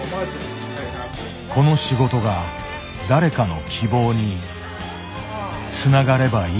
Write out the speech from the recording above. この仕事が誰かの希望につながればいいと。